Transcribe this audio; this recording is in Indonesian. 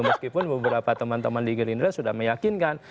meskipun beberapa teman teman di gerindra sudah meyakinkan